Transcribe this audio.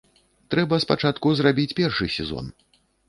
Трэба спачатку зрабіць першы сезон.